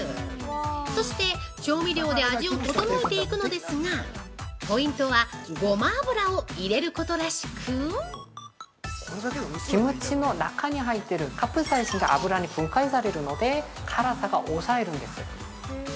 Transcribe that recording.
そして、調味料で味を調えていくのですが、ポイントはごま油を入れることらしく◆キムチの中に入っているカプサイシンが油に分解されるので辛さが抑えるんです。